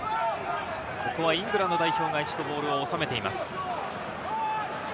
ここはイングランド代表が一度ボールを収めています。